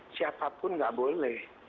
siapapun nggak boleh